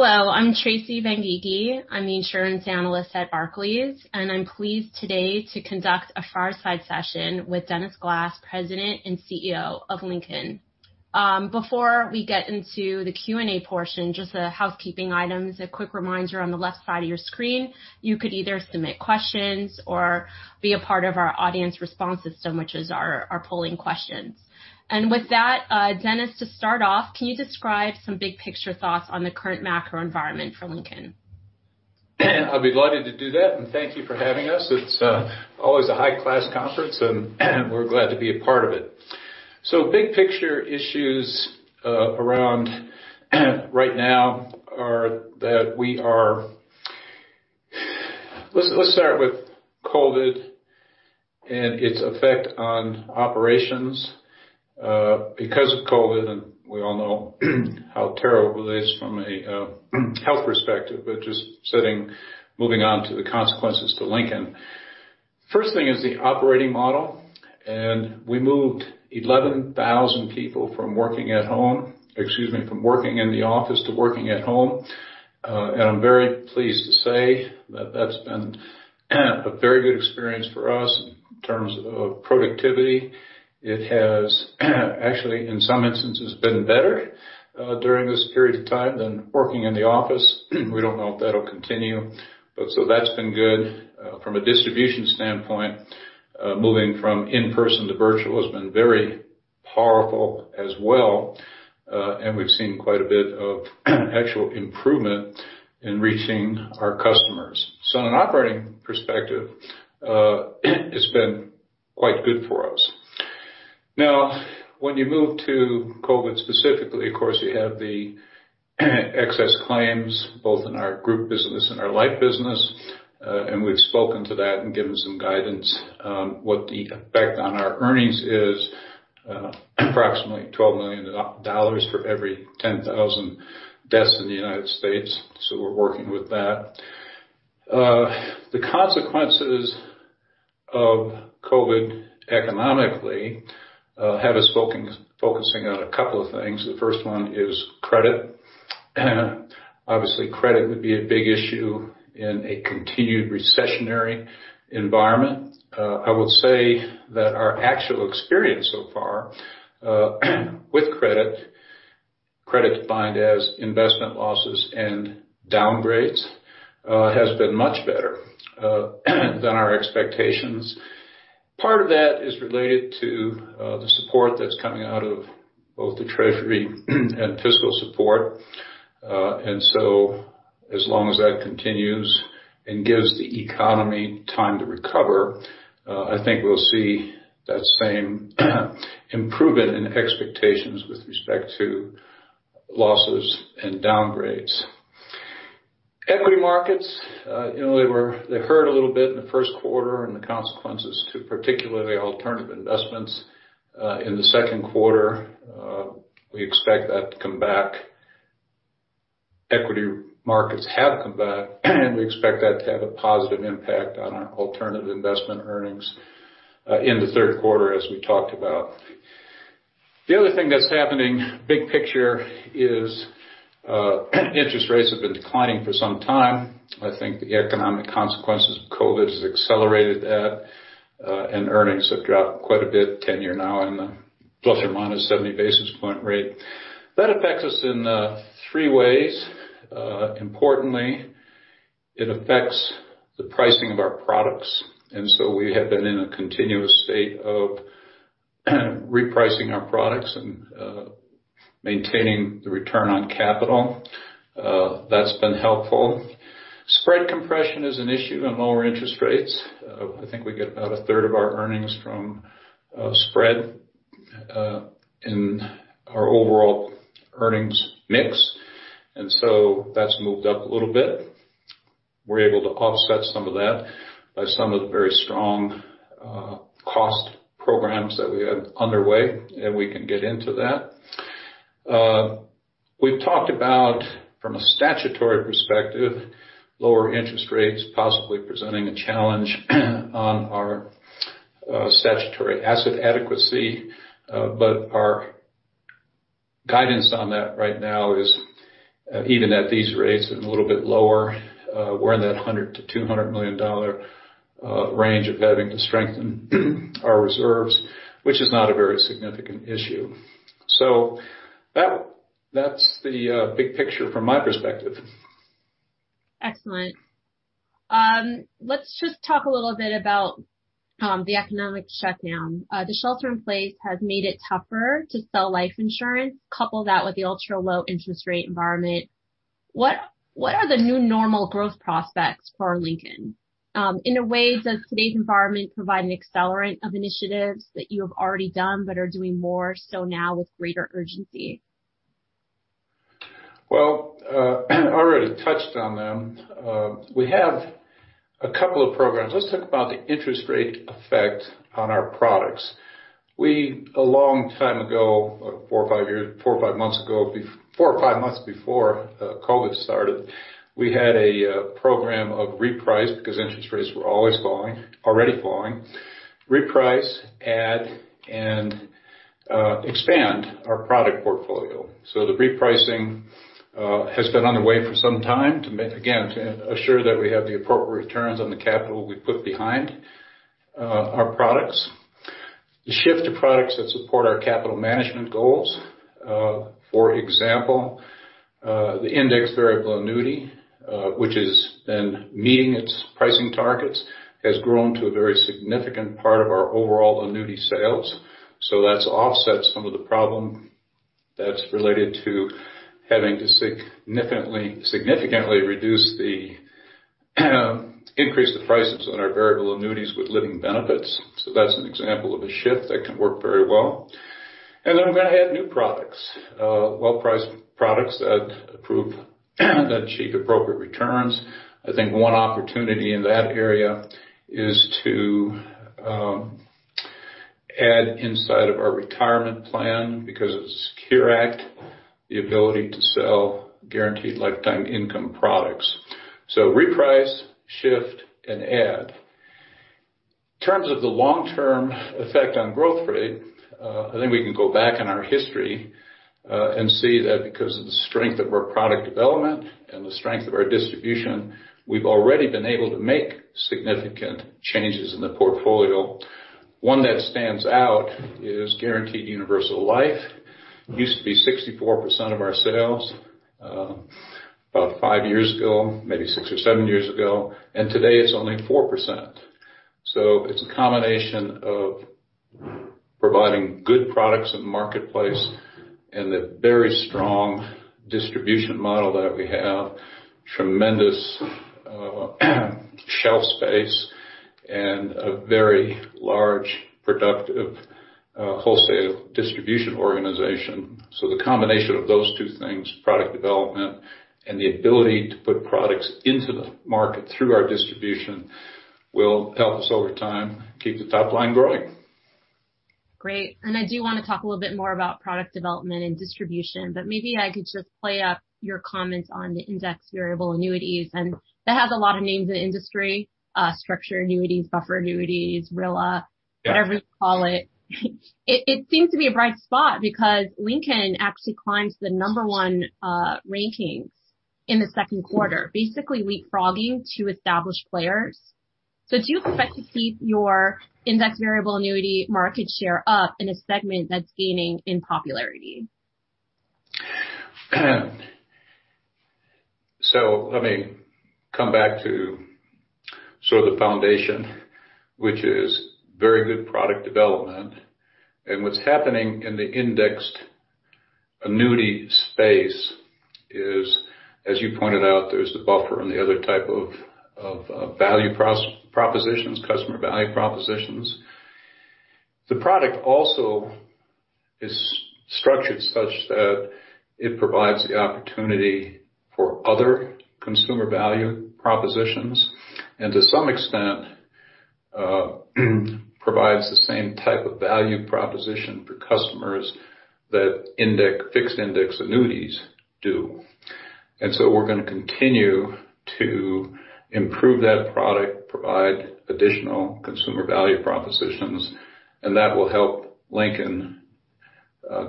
Hello, I'm Tracy Benguigui. I'm the Insurance Analyst at Barclays, and I'm pleased today to conduct a fireside session with Dennis Glass, President and CEO of Lincoln. Before we get into the Q&A portion, just some housekeeping items, a quick reminder, on the left side of your screen, you could either submit questions or be a part of our audience response system, which is our polling questions. With that, Dennis, to start off, can you describe some big picture thoughts on the current macro environment for Lincoln? I'd be delighted to do that. Thank you for having us. It's always a high-class conference, and we're glad to be a part of it. Big picture issues around right now are that Let's start with COVID and its effect on operations. Because of COVID, we all know how terrible it is from a health perspective, but just moving on to the consequences to Lincoln. First thing is the operating model, and we moved 11,000 people from working at home, excuse me, from working in the office to working at home. I'm very pleased to say that that's been a very good experience for us in terms of productivity. It has actually, in some instances, been better during this period of time than working in the office. We don't know if that'll continue. That's been good. From a distribution standpoint, moving from in-person to virtual has been very powerful as well, and we've seen quite a bit of actual improvement in reaching our customers. On an operating perspective, it's been quite good for us. Now, when you move to COVID specifically, of course, you have the excess claims both in our group business and our life business, and we've spoken to that and given some guidance. What the effect on our earnings is approximately $12 million for every 10,000 deaths in the United States, we're working with that. The consequences of COVID economically have us focusing on a couple of things. The first one is credit. Obviously, credit would be a big issue in a continued recessionary environment. I will say that our actual experience so far with credit defined as investment losses and downgrades, has been much better than our expectations. Part of that is related to the support that's coming out of both the Treasury and fiscal support. As long as that continues and gives the economy time to recover, I think we'll see that same improvement in expectations with respect to losses and downgrades. Equity markets, they hurt a little bit in the first quarter, the consequences to particularly alternative investments, in the second quarter, we expect that to come back. Equity markets have come back, and we expect that to have a positive impact on our alternative investment earnings in the third quarter, as we talked about. The other thing that's happening, big picture, is interest rates have been declining for some time. I think the economic consequences of COVID has accelerated that, earnings have dropped quite a bit, 10 year now on the ±70 basis point rate. That affects us in three ways. Importantly, it affects the pricing of our products. We have been in a continuous state of repricing our products and maintaining the return on capital. That's been helpful. Spread compression is an issue in lower interest rates. I think we get about a third of our earnings from spread in our overall earnings mix, and that's moved up a little bit. We're able to offset some of that by some of the very strong cost programs that we have underway, and we can get into that. We've talked about from a statutory perspective, lower interest rates possibly presenting a challenge on our statutory asset adequacy. Our guidance on that right now is even at these rates and a little bit lower, we're in that $100 million-$200 million range of having to strengthen our reserves, which is not a very significant issue. That's the big picture from my perspective. Excellent. Let's just talk a little bit about the economic shutdown. The shelter in place has made it tougher to sell life insurance. Couple that with the ultra-low interest rate environment, what are the new normal growth prospects for Lincoln? In a way, does today's environment provide an accelerant of initiatives that you have already done but are doing more so now with greater urgency? I already touched on them. We have a couple of programs. Let's talk about the interest rate effect on our products. We, a long time ago, four or five months before COVID started, we had a program of reprice because interest rates were already falling. Reprice, add, and expand our product portfolio. The repricing has been underway for some time, again, to assure that we have the appropriate returns on the capital we put behind our products. The shift to products that support our capital management goals, for example, the indexed variable annuity, which has been meeting its pricing targets, has grown to a very significant part of our overall annuity sales. That's offset some of the problem that's related to having to significantly increase the prices on our variable annuities with living benefits. That's an example of a shift that can work very well. We're going to add new products, well-priced products that achieve appropriate returns. I think one opportunity in that area is to add inside of our retirement plan, because of the SECURE Act, the ability to sell guaranteed lifetime income products. Reprice, shift, and add. In terms of the long-term effect on growth rate, I think we can go back in our history, and see that because of the strength of our product development and the strength of our distribution, we've already been able to make significant changes in the portfolio. One that stands out is guaranteed universal life. Used to be 64% of our sales about five years ago, maybe six or seven years ago. Today it's only 4%. It's a combination of providing good products in the marketplace and the very strong distribution model that we have, tremendous shelf space, and a very large productive wholesale distribution organization. The combination of those two things, product development and the ability to put products into the market through our distribution, will help us over time keep the top line growing. Great. I do want to talk a little bit more about product development and distribution, but maybe I could just play up your comments on the indexed variable annuities. That has a lot of names in the industry, structured annuities, buffer annuities, RILA. Yes. Whatever you call it. It seems to be a bright spot because Lincoln actually climbs the number 1 rankings in the second quarter, basically leapfrogging two established players. Do you expect to keep your indexed variable annuity market share up in a segment that's gaining in popularity? Let me come back to the foundation, which is very good product development. What's happening in the indexed annuity space is, as you pointed out, there's the buffer and the other type of value propositions, customer value propositions. The product also is structured such that it provides the opportunity for other consumer value propositions, and to some extent, provides the same type of value proposition for customers that Fixed Index Annuities do. We're going to continue to improve that product, provide additional consumer value propositions, and that will help Lincoln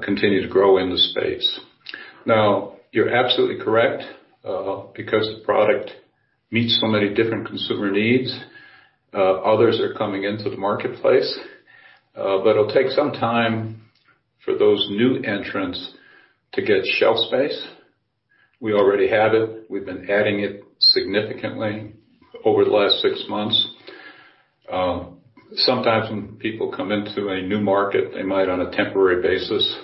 continue to grow in the space. You're absolutely correct, because the product meets so many different consumer needs, others are coming into the marketplace. It'll take some time for those new entrants to get shelf space. We already have it. We've been adding it significantly over the last 6 months. Sometimes when people come into a new market, they might, on a temporary basis,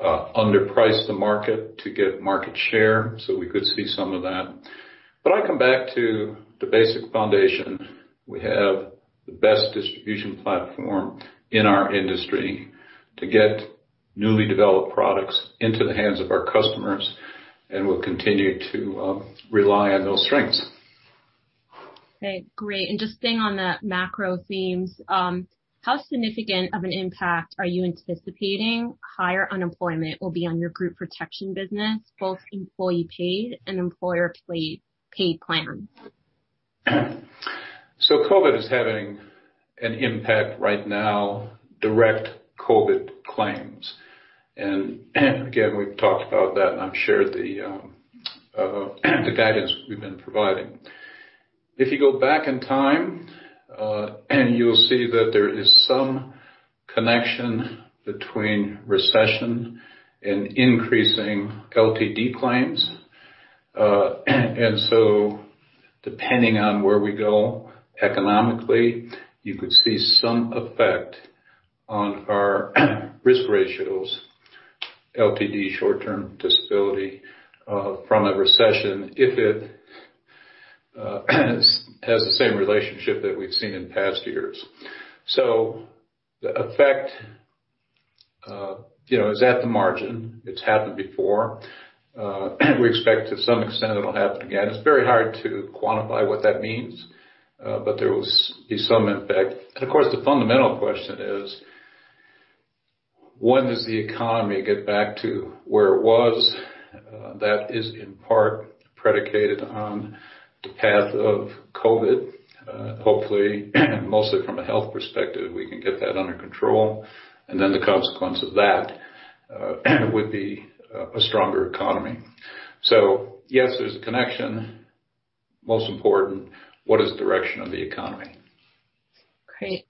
underprice the market to get market share. We could see some of that. I come back to the basic foundation. We have the best distribution platform in our industry to get newly developed products into the hands of our customers, and we'll continue to rely on those strengths. Okay, great. Just staying on the macro themes, how significant of an impact are you anticipating higher unemployment will be on your group protection business, both employee-paid and employer-paid plans? COVID is having an impact right now, direct COVID claims. Again, we've talked about that, and I've shared the guidance we've been providing. If you go back in time, you'll see that there is some connection between recession and increasing LTD claims. Depending on where we go economically, you could see some effect on our risk ratios, LTD short-term disability, from a recession if it has the same relationship that we've seen in past years. The effect is at the margin. It's happened before. We expect to some extent it'll happen again. It's very hard to quantify what that means, but there will be some impact. Of course, the fundamental question is: When does the economy get back to where it was? That is in part predicated on the path of COVID. Hopefully, mostly from a health perspective, we can get that under control, and then the consequence of that would be a stronger economy. Yes, there's a connection. Most important, what is the direction of the economy? Great.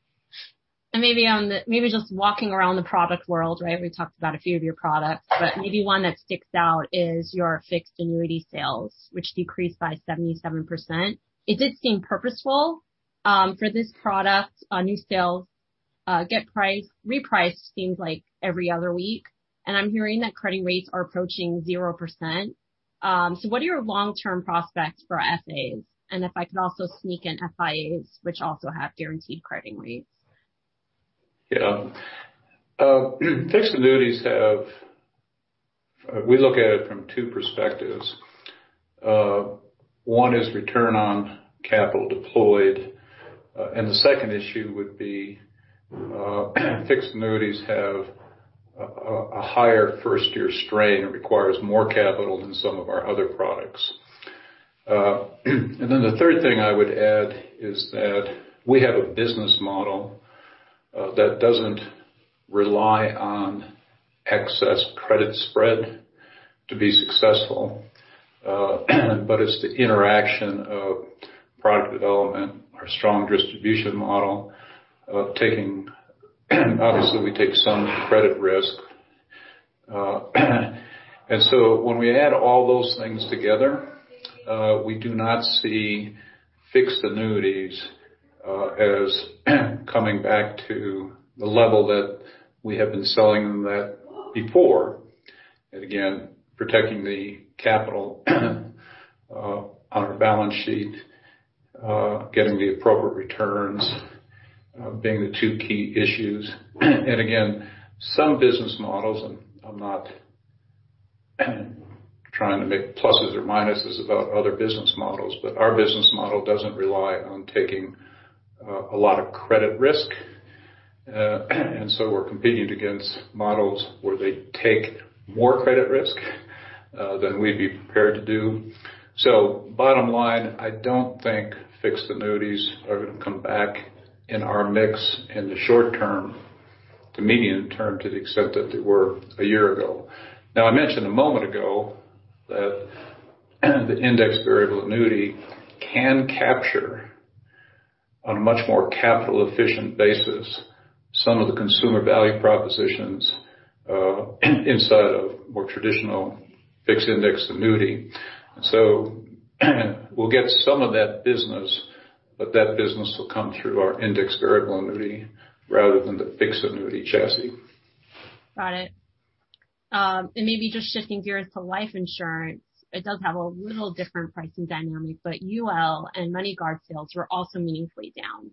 Maybe just walking around the product world, right? We talked about a few of your products, but maybe one that sticks out is your Fixed Annuity sales, which decreased by 77%. It did seem purposeful for this product. New sales get repriced seems like every other week, and I'm hearing that credit rates are approaching 0%. What are your long-term prospects for FAs? And if I could also sneak in FIAs, which also have guaranteed credit rates. Fixed Annuities, we look at it from two perspectives. One is return on capital deployed, and the second issue would be Fixed Annuities have a higher first-year strain and requires more capital than some of our other products. The third thing I would add is that we have a business model that doesn't rely on excess credit spread to be successful, but it's the interaction of product development, our strong distribution model of obviously, we take some credit risk. When we add all those things together, we do not see Fixed Annuities as coming back to the level that we have been selling them at before. Again, protecting the capital on our balance sheet, getting the appropriate returns, being the two key issues. Again, some business models, and I'm not trying to make pluses or minuses about other business models, but our business model doesn't rely on taking a lot of credit risk. We're competing against models where they take more credit risk than we'd be prepared to do. Bottom line, I don't think Fixed Annuities are going to come back in our mix in the short term to medium term to the extent that they were a year ago. Now, I mentioned a moment ago that the indexed variable annuity can capture on a much more capital efficient basis, some of the consumer value propositions inside of more traditional Fixed Index Annuity. We'll get some of that business, but that business will come through our indexed variable annuity rather than the Fixed Annuity chassis. Got it. Maybe just shifting gears to life insurance. It does have a little different pricing dynamic, but UL and MoneyGuard sales were also meaningfully down.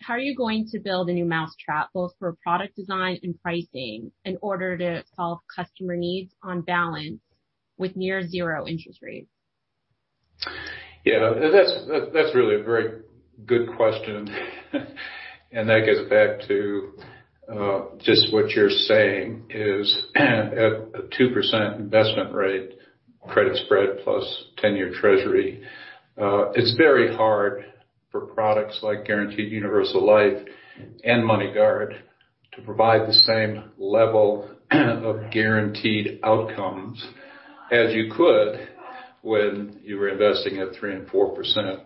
How are you going to build a new mousetrap, both for product design and pricing, in order to solve customer needs on balance with near zero interest rates? Yeah, that's really a very good question. That gets back to just what you're saying is, at a 2% investment rate, credit spread plus 10-year treasury, it's very hard for products like Guaranteed Universal Life and MoneyGuard to provide the same level of guaranteed outcomes as you could when you were investing at 3% and 4%.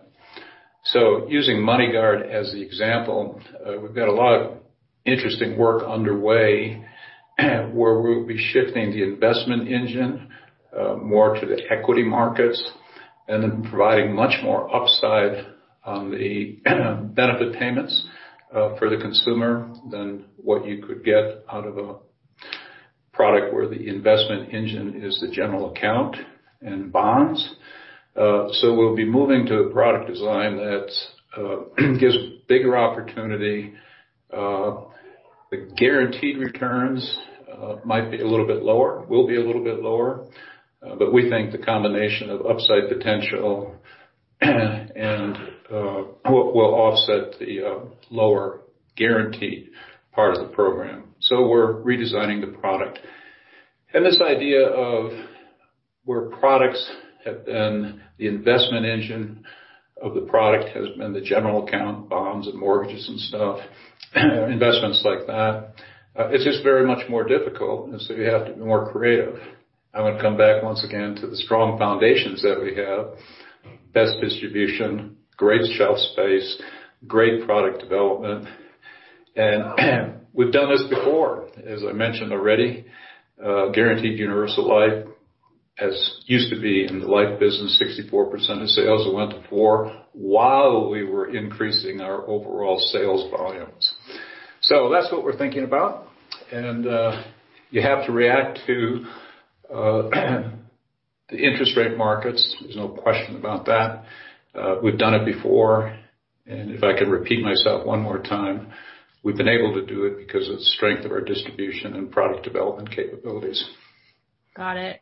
Using MoneyGuard as the example, we've got a lot of interesting work underway where we'll be shifting the investment engine more to the equity markets and then providing much more upside on the benefit payments for the consumer than what you could get out of a product where the investment engine is the general account and bonds. We'll be moving to a product design that gives bigger opportunity. The guaranteed returns might be a little bit lower, will be a little bit lower. We think the combination of upside potential will offset the lower guaranteed part of the program. We're redesigning the product. This idea of where products have been, the investment engine of the product has been the general account, bonds and mortgages and stuff, investments like that. It's just very much more difficult, so you have to be more creative. I'm going to come back once again to the strong foundations that we have, best distribution, great shelf space, great product development. We've done this before, as I mentioned already. Guaranteed Universal Life used to be in the life business, 64% of sales. It went to 4% while we were increasing our overall sales volumes. That's what we're thinking about. You have to react to the interest rate markets. There's no question about that. We've done it before, if I could repeat myself one more time, we've been able to do it because of the strength of our distribution and product development capabilities. Got it.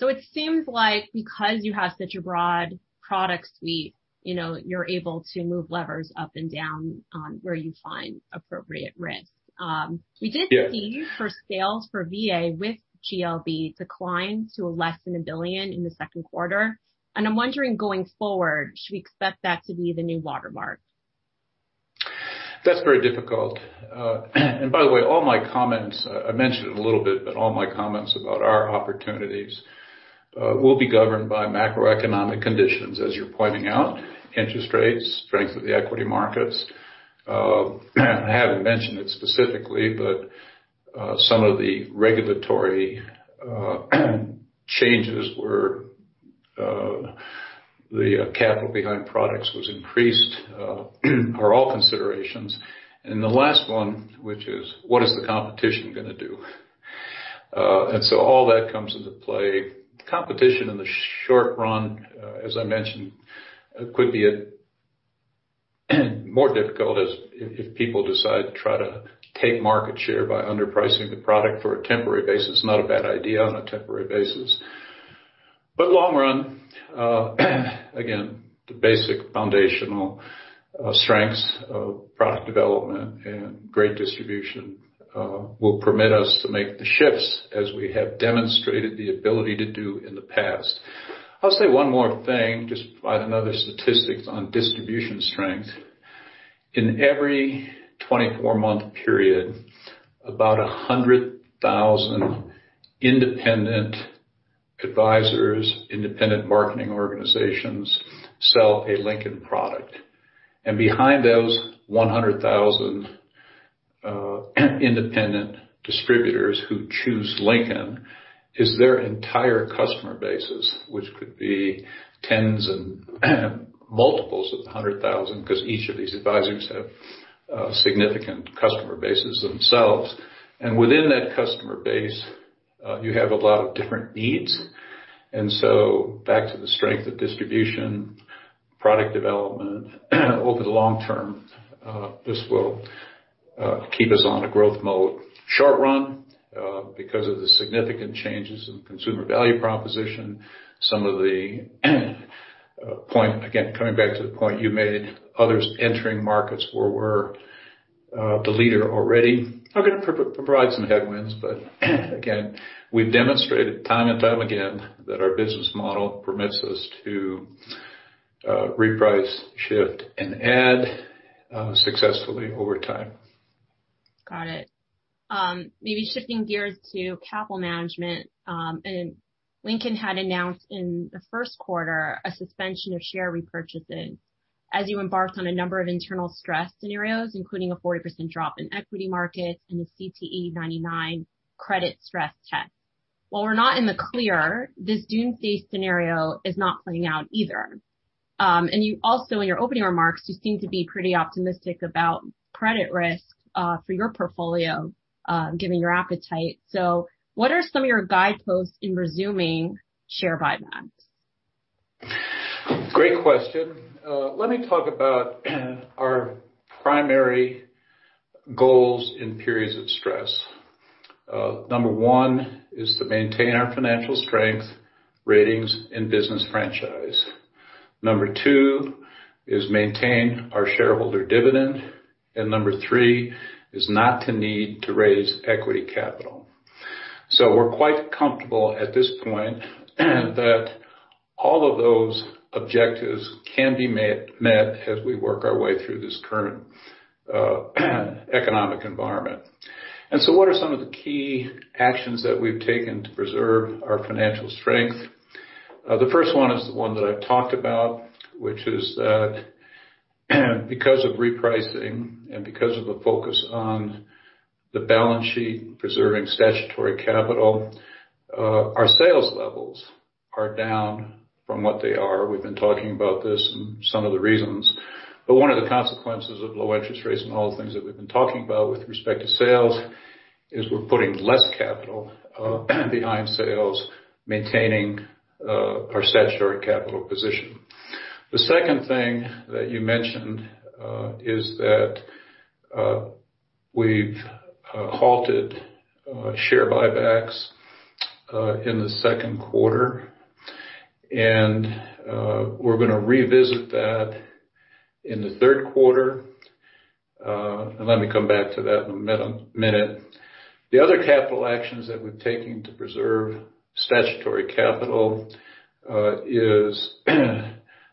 It seems like because you have such a broad product suite, you're able to move levers up and down on where you find appropriate risk. Yes. We did see for sales for VA with GLB decline to less than $1 billion in the second quarter. I'm wondering, going forward, should we expect that to be the new watermark? That's very difficult. By the way, all my comments, I mentioned it a little bit, but all my comments about our opportunities will be governed by macroeconomic conditions, as you're pointing out, interest rates, strength of the equity markets. I haven't mentioned it specifically, but some of the regulatory changes where the capital behind products was increased are all considerations. The last one, which is what is the competition going to do? All that comes into play. Competition in the short run, as I mentioned, could be more difficult if people decide to try to take market share by underpricing the product for a temporary basis. Not a bad idea on a temporary basis. Long run, again, the basic foundational strengths of product development and great distribution will permit us to make the shifts as we have demonstrated the ability to do in the past. I'll say one more thing, just provide another statistic on distribution strength. In every 24-month period, about 100,000 independent advisors, independent marketing organizations, sell a Lincoln product. Behind those 100,000 independent distributors who choose Lincoln is their entire customer bases, which could be tens and multiples of 100,000, because each of these advisors have significant customer bases themselves. Within that customer base, you have a lot of different needs. Back to the strength of distribution, product development. Over the long term, this will keep us on a growth mode. Short run, because of the significant changes in consumer value proposition, some of the point, again, coming back to the point you made, others entering markets where we're the leader already are going to provide some headwinds. Again, we've demonstrated time and time again that our business model permits us to reprice, shift, and add successfully over time. Got it. Maybe shifting gears to capital management. Lincoln had announced in the first quarter a suspension of share repurchases as you embarked on a number of internal stress scenarios, including a 40% drop in equity markets and a CTE 99 credit stress test. While we're not in the clear, this doomsday scenario is not playing out either. You also, in your opening remarks, you seem to be pretty optimistic about credit risk for your portfolio, given your appetite. What are some of your guideposts in resuming share buybacks? Great question. Let me talk about our primary goals in periods of stress. Number 1 is to maintain our financial strength, ratings, and business franchise. Number 2 is maintain our shareholder dividend. Number 3 is not to need to raise equity capital. We're quite comfortable at this point that all of those objectives can be met as we work our way through this current economic environment. What are some of the key actions that we've taken to preserve our financial strength? The first one is the one that I've talked about, which is that because of repricing and because of the focus on the balance sheet preserving statutory capital, our sales levels are down from what they are. We've been talking about this and some of the reasons. One of the consequences of low interest rates and all the things that we've been talking about with respect to sales is we're putting less capital behind sales, maintaining our statutory capital position. The second thing that you mentioned is that we've halted share buybacks in the second quarter, and we're going to revisit that in the third quarter. Let me come back to that in a minute. The other capital actions that we've taken to preserve statutory capital is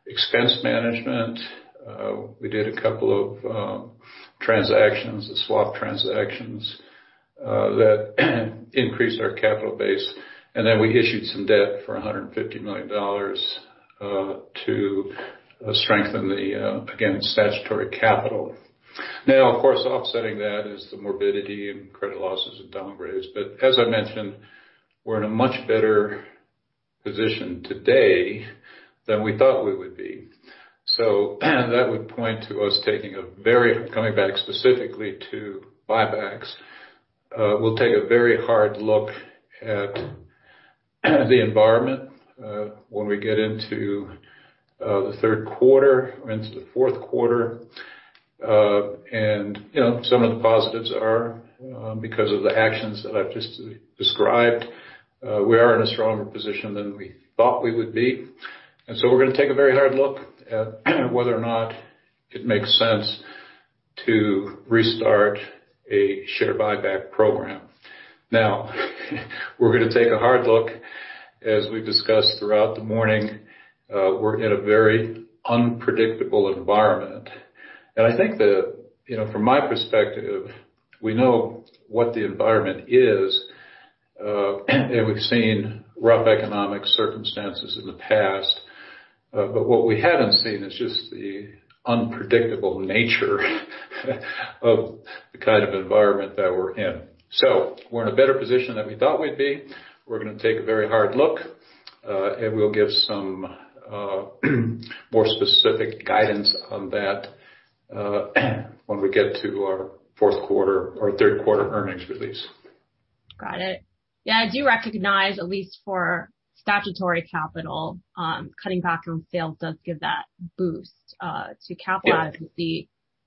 expense management. We did a couple of transactions, swap transactions, that increased our capital base, then we issued some debt for $150 million to strengthen the, again, statutory capital. Of course, offsetting that is the morbidity and credit losses and downgrades. As I mentioned, we're in a much better position today than we thought we would be. That would point to us coming back specifically to buybacks. We'll take a very hard look at the environment when we get into the third quarter, into the fourth quarter. Some of the positives are because of the actions that I've just described, we are in a stronger position than we thought we would be. We're going to take a very hard look at whether or not it makes sense to restart a share buyback program. Now, we're going to take a hard look, as we've discussed throughout the morning, we're in a very unpredictable environment. I think from my perspective, we know what the environment is, and we've seen rough economic circumstances in the past. What we haven't seen is just the unpredictable nature of the kind of environment that we're in. We're in a better position than we thought we'd be. We're going to take a very hard look. We'll give some more specific guidance on that when we get to our third quarter earnings release. Got it. Yeah, I do recognize, at least for statutory capital, cutting back on sales does give that boost to capital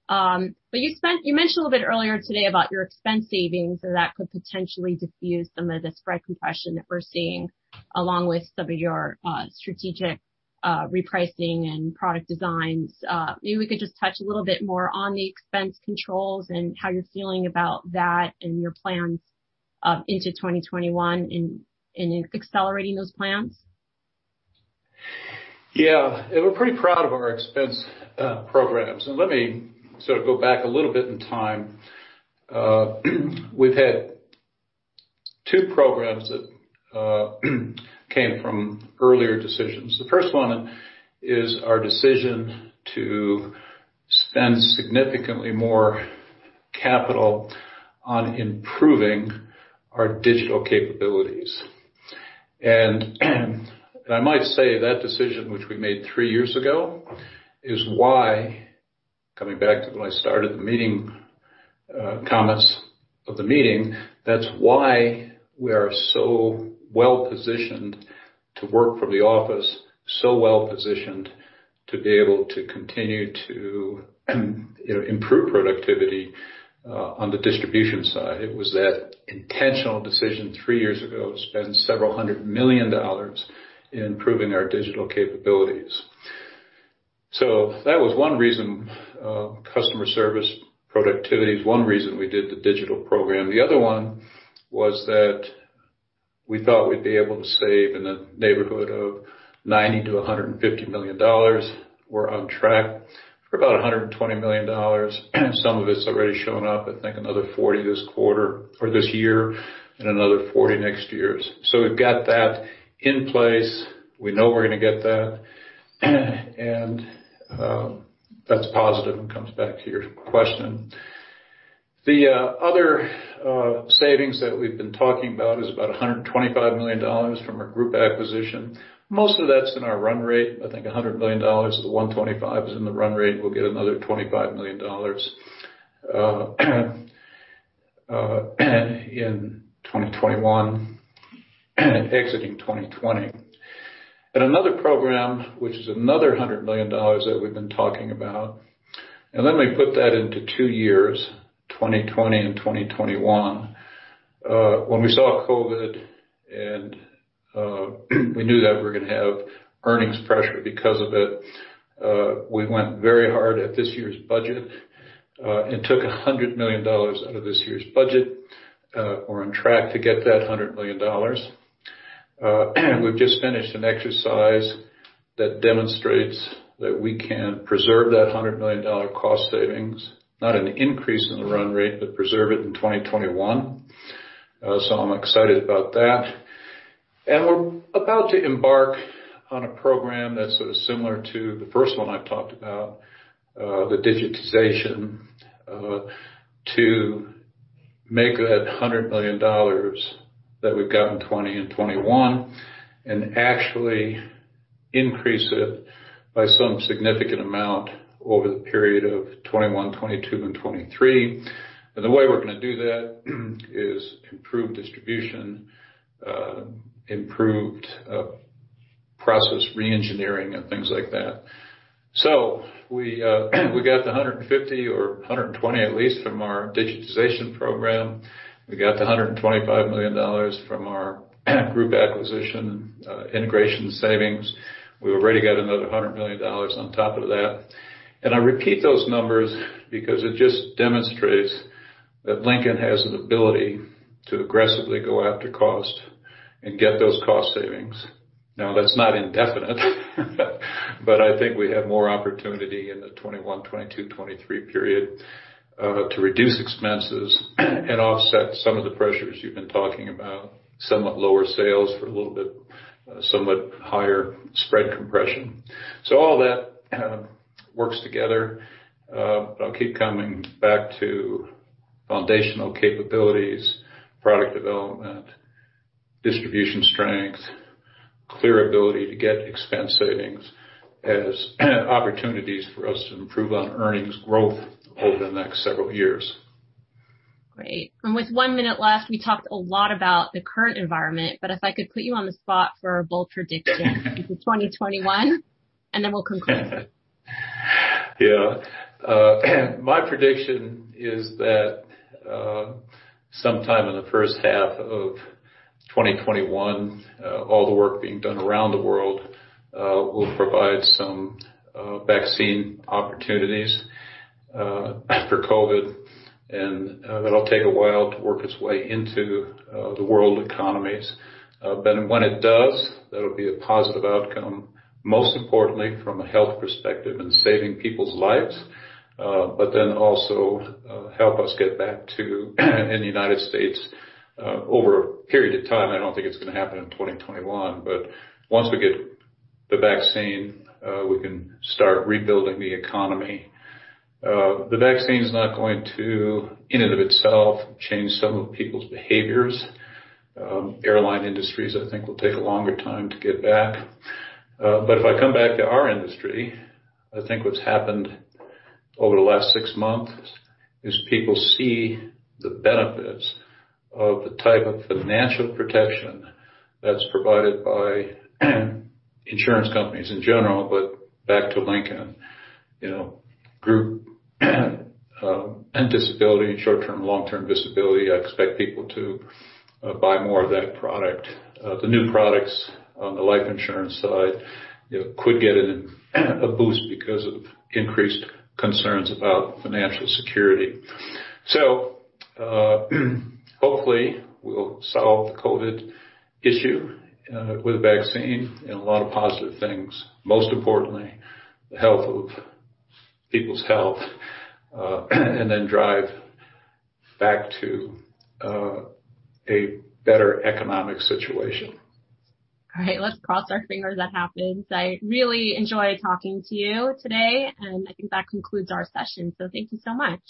adequacy. Yes. You mentioned a little bit earlier today about your expense savings and that could potentially diffuse some of the spread compression that we're seeing, along with some of your strategic repricing and product designs. Maybe we could just touch a little bit more on the expense controls and how you're feeling about that and your plans into 2021 in accelerating those plans. We're pretty proud of our expense programs. Let me sort of go back a little bit in time. We've had two programs that came from earlier decisions. The first one is our decision to spend significantly more capital on improving our digital capabilities. I might say that decision, which we made 3 years ago, is why, coming back to when I started the meeting, comments of the meeting, that's why we are so well-positioned to work from the office, so well-positioned to be able to continue to improve productivity on the distribution side. It was that intentional decision 3 years ago to spend several hundred million dollars in improving our digital capabilities. That was one reason, customer service productivity is one reason we did the digital program. The other one was that we thought we'd be able to save in the neighborhood of $90 million-$150 million. We're on track for about $120 million. Some of it's already shown up. I think another $40 million this quarter or this year and another $40 million next year. We've got that in place. We know we're going to get that, and that's positive, and comes back to your question. The other savings that we've been talking about is about $125 million from our group acquisition. Most of that's in our run rate. I think $100 million of the $125 million is in the run rate, and we'll get another $25 million in 2021, exiting 2020. Another program, which is another $100 million that we've been talking about, let me put that into 2 years, 2020 and 2021. When we saw COVID and we knew that we were going to have earnings pressure because of it, we went very hard at this year's budget, took $100 million out of this year's budget. We're on track to get that $100 million. We've just finished an exercise that demonstrates that we can preserve that $100 million cost savings, not an increase in the run rate, but preserve it in 2021. I'm excited about that. We're about to embark on a program that's sort of similar to the first one I talked about, the digitization, to make that $100 million that we've got in 2020 and 2021 and actually increase it by some significant amount over the period of 2021, 2022, and 2023. The way we're going to do that is improved distribution, improved process re-engineering, and things like that. We got the $150 million or $120 million at least from our digitization program. We got the $125 million from our group acquisition integration savings. We've already got another $100 million on top of that. I repeat those numbers because it just demonstrates that Lincoln has an ability to aggressively go after cost and get those cost savings. Now, that's not indefinite, I think we have more opportunity in the 2021, 2022, 2023 period, to reduce expenses and offset some of the pressures you've been talking about, somewhat lower sales for a little bit, somewhat higher spread compression. All that works together. I'll keep coming back to foundational capabilities, product development, distribution strength, clear ability to get expense savings as opportunities for us to improve on earnings growth over the next several years. Great. With one minute left, we talked a lot about the current environment, if I could put you on the spot for a bold prediction for 2021, then we'll conclude. Yeah. My prediction is that, sometime in the first half of 2021, all the work being done around the world will provide some vaccine opportunities for COVID. That'll take a while to work its way into the world economies. When it does, that'll be a positive outcome, most importantly from a health perspective and saving people's lives, also help us get back to, in the United States, over a period of time, I don't think it's going to happen in 2021, once we get the vaccine, we can start rebuilding the economy. The vaccine's not going to, in and of itself, change some of people's behaviors. Airline industries, I think, will take a longer time to get back. If I come back to our industry, I think what's happened over the last six months is people see the benefits of the type of financial protection that's provided by insurance companies in general, back to Lincoln. Group and disability, short-term, long-term disability, I expect people to buy more of that product. The new products on the life insurance side could get a boost because of increased concerns about financial security. Hopefully, we'll solve the COVID issue with a vaccine, a lot of positive things, most importantly, the health of people's health, drive back to a better economic situation. All right. Let's cross our fingers that happens. I really enjoyed talking to you today, I think that concludes our session. Thank you so much.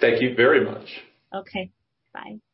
Thank you very much. Okay. Bye. Bye.